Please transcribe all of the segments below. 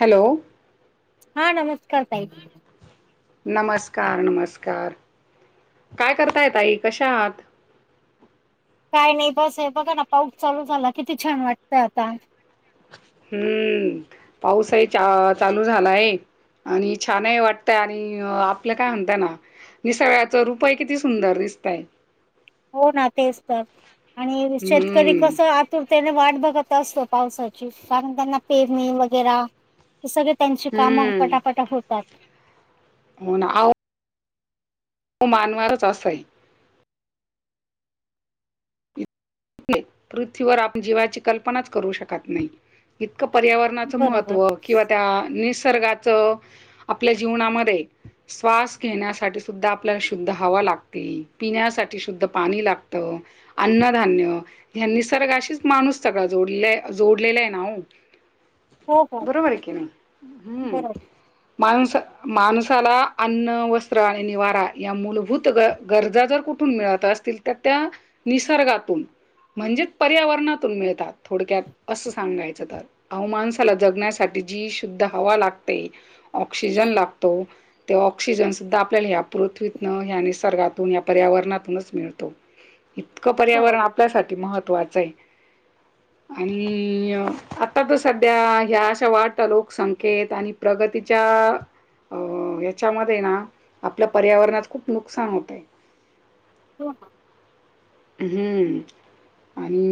Hello. हा नमस्कार ताई. नमस्कार नमस्कार काय करताय ताई? कशा आहात? काय नाही बस आहे बघा ना पाऊस चालू झाला किती छान वाटतं आता. हम्म, पाऊस आहे चा-चालू झालाय. आणि छानही वाटतय आणि आपलं काय म्हणताय ना. निसर्गाचं रूप ही किती सुंदर दिसतय. हो ना तेच तर आणि शेतकरी हम्म कसं आ तुरतेने वाट बघत असतो पावसाची कारण त्यांना पेरणी वगैरा ते सगळे त्यांची कामं हम्म पटापटा होतात. हो ना. ह्यो मानवारच असं आहे. पृथ्वीवर आपण जीवाची कल्पनाच करू शकत नाही. इतकं पर्यावरणाचं बरोबर महत्त्व किंवा त्या निसर्गाच आपल्या जीवनामध्ये श्वास घेण्यासाठी सुद्धा आपल्याला शुद्ध हवा लागते. पिण्यासाठी शुद्ध पाणी लागत. अन्नधान्य ह्मा निसर्गाशीच माणूस सगळा जोडले जोडलेला आहे ना ओ. हो हो बरोबर आहे की नाही. हम्म. बरोबर माणूस-माणसाला अन्न, वस्त्र आणि निवारा या मूलभूत गरजा जर कु ठून मिळतं असतील तर त्या निसर्गातून. म्हणजेचं पर्यावरणातून मिळतात. थोडक्यात असं सांगायचं तर. अव माणसाला जगण्यासाठी जी शुद्ध हवा लागते, ऑक्सिजन लागतो ते ऑक्सिजनसद्धा आपल्याला ह्या पृथ्वीतनं, ह्या निसर्गातून, या पर्यावरणातूनचं मिळतो. इतकं पर्यावरणं बरोबर आपल्यासाठी महत्त्वाचं आहे. आणि आता तर सध्या ह्या अश्या वाढत्या लोकसंख्येत आणि प्रगतीच्या अं यांच्या मध्ये ना आपल्या पर्यावरणात खूप नुकसान होतयं. हो ना. हम्म. आणि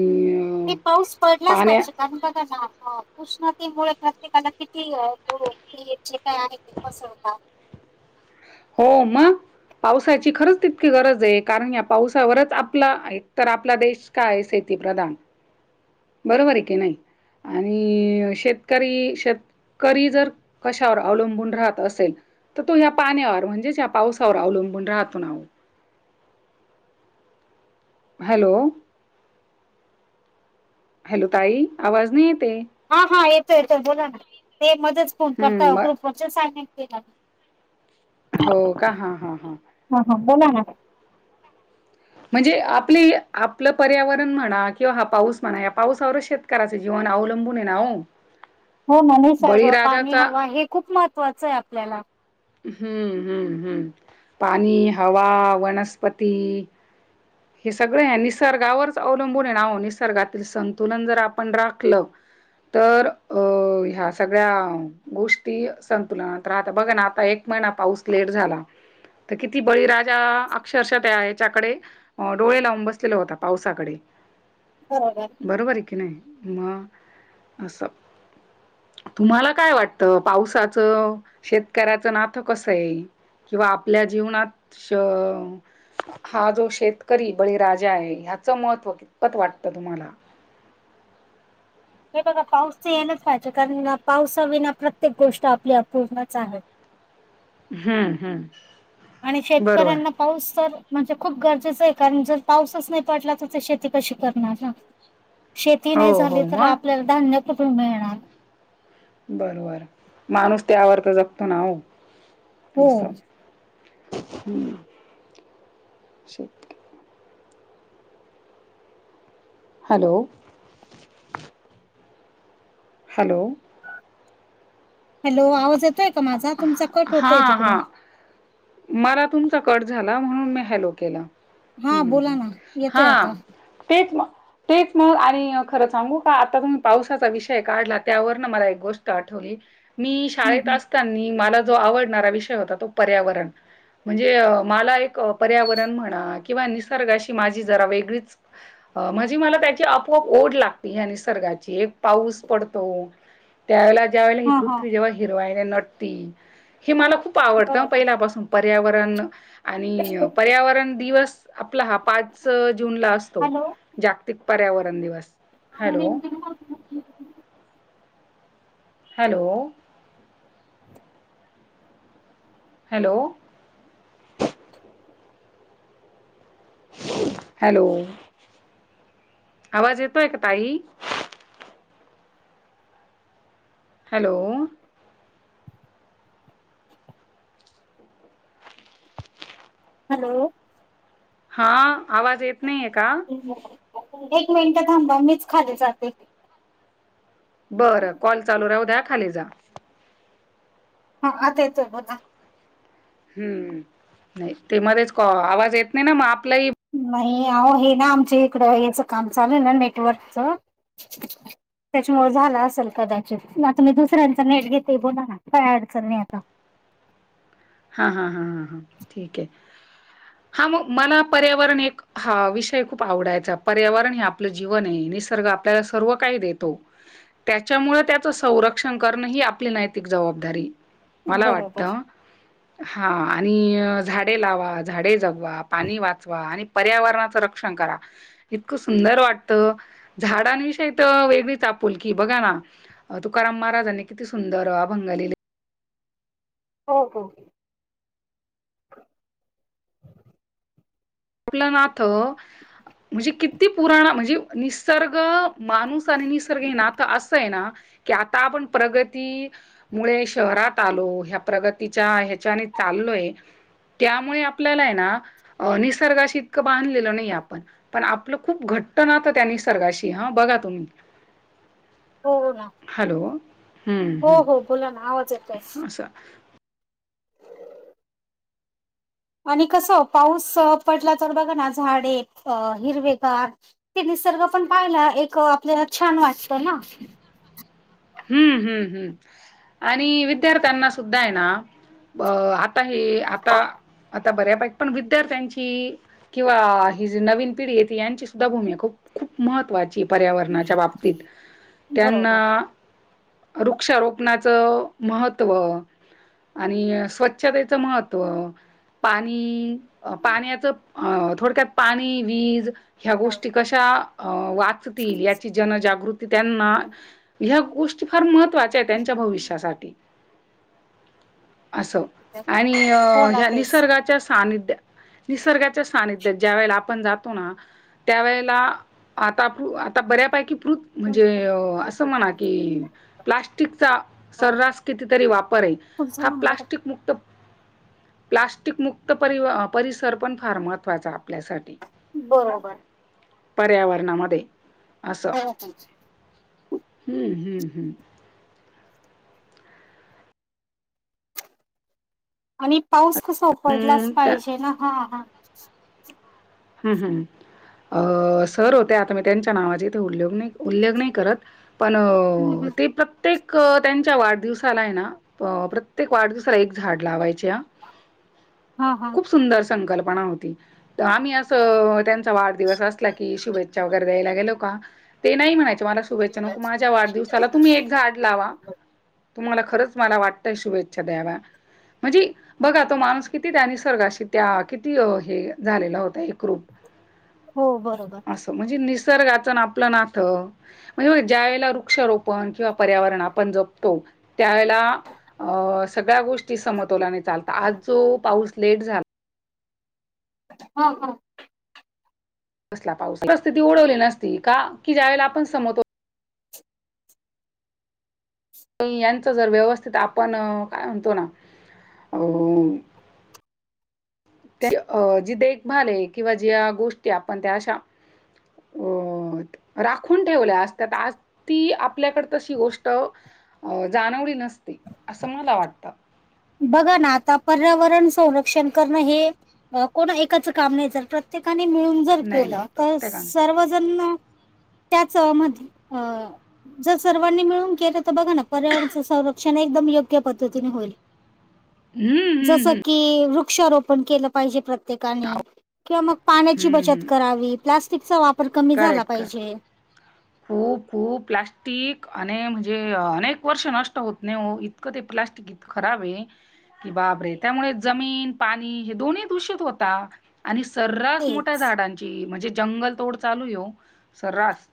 आणि पाऊस पडलाचं पाण्या पाहिजे कारणं बघा ना आता उष्णतेमुळे प्रत्येकाला किती रोग ते जे काय आहे ते पसरतात. हो मगं. पावसाची खरंच तितकी गरज आहे कारण या पावसावरच आपला एक तर आपला देश काये शेती प्रदान. बरोबर आहे की नाही? आणि शेतकरी शेतं करी जर कशावर अवलंबून राहत असेल तो ह्या पाण्यावर म्हणजेचं या पावसावर अवलंबून राहतो ना ओ. हॅलो हॅलो, ताई आवाज नाही येतये. हा हा येतो येतो बोला ना ते मध्येचं फोन हम्म करता मग ग्रुप वरती सायलेंट केला म हो का हा हा हा हा हा बोला ना म्हणजे आपली आपलं पर्यावरणं म्हणा किंवा हा पाऊस म्हणा या पाऊसावर शेत कराचं जीवन अवलंबून आहे ना ओ. हो म निसर्ग, पाणी, हवा हे खूप महत्त्वाचंय आपल्याला हम्म हम्म हम्म पाणी, हवा, वनस्पती हे सगळ निसर्गावरचं अवलंबून ये नाओ निसर्गातील संतुलनं जर आपण राखलं. तर अ ह्या सगळ्या गोष्टी संतुलनात राहता बघा ना आता एक महिना पाऊस लेट झाला. त किती बळीराजा अक्षरशः त्या ह्याच्याकडे अ डोळे लावून बसलेला होता पावसाकडे बरोबर. बरोबर आहे की नाय म असं तुम्हाला काय वाटतं पावसाचं शेतकऱ्याचं नातं कसंय. किंवा आपल्या जीवनात श हा जो शेत तरी बळी राजा आहे ह्याचं महत्त्व कितपत वाटतं तुम्हाला? हे बघा पाऊस येलचं पाहिजे कारण पावसा विना प्रत्येक गोष्ट आपल्या पूर्णचं आहे. हम्म, हम्म आणि शेतकऱ्यांना पाऊस तर म्हणजे खूप गरजेच आहे कारण जर पाऊसचं नाय पडला तर तो शेती कशी करणार सांग [unintelligible] शेती हो, नाही झाली हो. तर मग? आपल्याला धान्य कुठूनं मिळणार. बरोबर माणूस त्या वर तर जगतो ना ओ हो. असं हम्म, शेत हॅलो हॅलो हॅलो आवाज येतोय का माझा तुमचा कट होतोय हां, तिकडून हां. मला तुमचा कट झाला म्हणून मी हॅलो केला. हूं हा हूं बोला ना येतोय हा आता. तेच म तेच मग आणि खरं सांगू का आता तुम्ही पावसाचा विषय काढला त्यावर न मला एक गोष्ट आठवली. मी हम्म शाळेत हम्म. असतानी मला जो आवडणारा विषय होता तो पर्यावरण. म्हणजे मला एक पर्यावरण म्हणा किंवा निसर्गाशी माझी जरा वेगळीच म्हणजे मला त्याची आपोआप ओढ लागते ह्या निसर्गाची एक पाऊस पडतो. [unintelligible] त्यावेेळेला ज्यावेेळेला ही हा हा पृथ्वी जेव्हा हिरवाईने नटती हे मला खूप आवडतं हं बरोबर. पहिल्यापासून पर्यावरण आणि पर्यावरण दिवस आपला हा पाच जूनला असं तो हॅलो जागतिक पर्यावरण दिवस. हॅलो [unintelligible] हॅलो हॅलो हॅलो आवाज येतोय का ताई? हॅलो हॅलो हा आवाज येत नाहीये का? एक मिनट थांबा मीच खाली जाते. बरं कॉल चालू राहू द्या खाली जा. ह आता येतोय बोला हम्म नाही ते मध्येच आवाज येत नाही ना मग आपलाही नाही अहो हे ना आमच्या इकडं याच काम चालू आहे ना नेटवर्कच [inaudible] त्याच्यामुळे झाला असेल कदाचित आता मी दुसऱ्यांचा नेट घेते बोला ना काय अडचण नाही आता. हा हा हा हा ह ठीक आहे हा मग मला पर्यावरण एक हा विषय खूप आवडायचा पर्यावरण हे आपलं जीवन आहे निसर्ग आपल्याला सर्व काही देतो. त्याच्यामुळे त्याचं संरक्षण करणं ही आपली नैतिक जबाबदारी मला बरोबर वाटतं. हा आणि झाडे लावा झाडे जगवा पाणी वाचवा आणि पर्यावरणाचं रक्षण करा. इतकं सुंदर वाटतं झाडांविषयी तर वेगळीच आपुलकी बघा ना तुकाराम महाराजांनी किती सुंदर अभंग हो हो! आपलं नाथ म्हणजे किती पुराण म्हणजे निसर्ग माणूस आणि निसर्ग आहे ना आता असं आहे ना की आता आपण प्रगती मुळे शहरात आलो ह्या प्रगतीच्या ह्याच्याने चाललोय! त्यामुळे आपल्याला आहे ना निसर्गाशीतकं बांधलेलं नाही आपण. पण आपलं खूप घट्ट नातं आहे त्या निसर्गाशी हा, बघा तुम्ही! हो ना हॅलो हम्म हो हम्म हो बोला ना आवाज येतोय आस! आणि कसं पाऊस पडला तर बघा ना झाडे अ हिरवेगार ते निसर्ग पण पाहिला एक आपल्याला छान वाटत ना. हम्म हम्म हम्म आणि विद्यार्थ्यांना सुद्धा आहे ना अ आता हे आता आता बऱ्यापैकी पण विद्यार्थ्यांची किंवा ही जी नवीन पिढीेत यांची सुद्धा भूमिका खूप खूप महत्त्वाची पर्यावरणाच्या बाबतीत त्यांना बरोबर वृक्षारोपणाचं महत्त्व आणि स्वच्छतेच महत्त्व पाणी पाण्याच अ थोडक्यात पाणी वीज ह्या गोष्टी कशा वा चावयाची जनजागृती त्यांना ह गोष्टी फार मह त्वाच्या आहे त्यांच्या भविष्यासाठी. असं आणि हो ना ह्या तेच निसर्गाच्या सानिध्या निसर्गाच्या सानिध्यत ज्या वेळेला आपण जातो ना त्यावेेळेला आता आता बऱ्यापैकी प्रृथ फोन म्हणजे पे कर असं देते म्हणा फोन की पे कर. प्लास्टिक चा हो का? सर्रास किती तरी वापर आहे तुमचा हा नंबर प्लास्टिक क मुक्त प्लास्टिक मुक्त परिसर पण फार महत्वाचा आपल्यासाठी. बरोबर! पर्यावरणामध्ये अस [unintelligible] हम्म हम्म हम्म. आणि पाऊस कसा उकडलाच हम्म त्या पाहिजे ना हा हां. ह् हम्, सर होत्या आता मी त्यांच्या नावाची इथे उल्लेख नाही उल्लेख नाही करत पण हम्म, हम्म. ते प्रत्य प्त्येक त्यांच्या वाढदिवसाला आहे ना प्र प्रत्येक वाढदिवसाला एक झाड लावायचे आ. हा हा! खूप सुंदर संकल्पना होती आम्ही अस त्यांचा वाढदिवस असला की शुभेच्छा वगैरे द्यायला गेलो का ते नाही म्हय मला शुभेच्छा माझ्या वाढदिवसाला तुम्ही झाड लावा तुम्हाला खरंच मला वाटतंय शुभेच्छा द्याव म्हणजे बघा तो माणूस किती त्या निसर्गाशी त्या किती हे झालेला होता एक रूप. हो बरोबर म्हणजे निसर्गाचं ना आपलं नातं म्हणजे ज्या वेला वृक्षारोपण किंवा पर्यावरण आपण जपतो त्यावेेळेला अ सगळ्या गोष्टी समतोलाने चालत आज जो पाऊस लेट झाला. हो हो. कसला पाऊस आला परिस्थिती [inaudible] नसती का की ज्यावेला आपण समत यांचं जर व्यवस्थित आपण काय म्हणतो ना अ जी देखभाल आहे किंवा ज्या गोष्टी आपण त्या अशा अ राखून ठेवल्या असत्या आज ती आपल्याकड तशी गोष्ट अ जाणवली नसते असं मला वाटतं बघा ना आता पर्यावरण संरक्षण करणं हे कोण एकाचं काम नाही तर प्रत्येकाने मिळून विचार नाही केल नाही तर प्रत्येकाने सर्वजण त्याचमध्ये अ जर सर्वांनी मिळून केलं तर बघा ना पर्यावरणाच संरक्षण एकदम योग्य पद्धतीने होईल हम्म हम्म जसं हम् की वृक्षारोपण केलं पाहिजे प्रत्येकाने किंवा मग पाण्याची हम्म बचत हम्म. करावी. प्लास्टिकचा वापर कमी झाला करेक्ट करेक्ट. पाहिजे. खूप खूप प्लास्टिक आणि म्हणजे अनेक वर्ष नष्ट होत नाही हो इतकं ते प्लास्टिक खराब आहे की बापरे त्यामुळे जमीन, पाणी हे दोन्ही दूषित होता आणि सर्रास मोठ्या तेच. झाडांची म्हणजे जंगल तोड चालू हे ओ सर्रास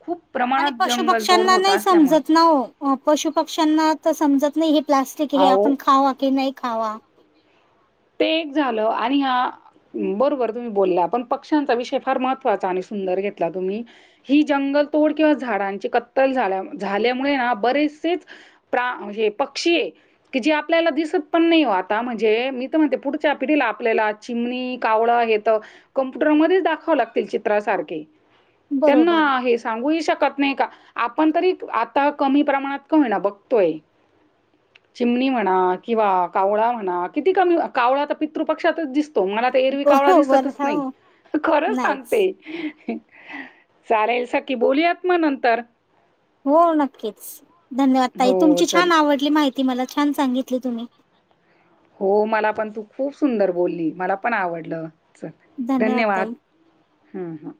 खूप आणि प्रमाणात पशु जंगल तोड पक्ष्यांना होत नाही असल्यामुळं समजत नव पशु पक्ष्यांना तर समजत नाही हे प्लास्टिक हे अहो आपण खावा की नाही खावा ते एक झालं आणि हा बरोबर तुम्ही बोलला पण पक्ष्यांचा विषय फार महत्त्वाचा आणि सुंदर घेतला तुम्ही ही जंगल तोड किंवा झाडांची कत्तल झाल्या झाल्यामुळे ना बरेचसेच प्रा हे पक्षी हे की जी आपल्याला दिसत पण नाही हो आता म्हणजे मी म्हणते पुढच्या पिढीला आपल्याला चिमणी कावळं हेे तं कम्प्युटरमध्येच दाखवाव लागतील चित्रासारखे त्यांना बरोबर हे सांगूही शकत नाही का आपण तरी आता कमी प्रमाणात का होईना बघतोय. चिमणी म्हणा किंवा कावळा म्हणा किती कमी कावळा तर पितृपक्षातच दिसतो मला तर एरवी कावळा बरोबर दिसतच नाही हो खरंच नाहीच. सांगते चालेल सकी बोलूयात मग नंतर हो नक्कीच धन्यवाद ताई हो तुमची चल छान आवडली माहिती मला छान सांगितली तुम्ही हो मला पण तू खूप सुंदर बोलली मला पण आवडलं धन्यवाद हम्म हम्